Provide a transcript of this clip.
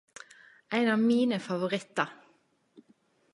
Ein av mine favorittar!